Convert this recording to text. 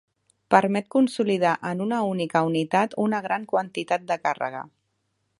Permet consolidar en una única unitat una gran quantitat de càrrega.